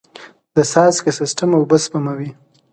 د څاڅکي سیستم اوبه سپموي.